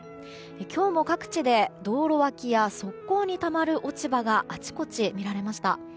今日も各地で道路脇や側溝にたまる落ち葉があちこち見られました。